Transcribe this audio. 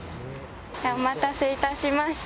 お待たせいたしました。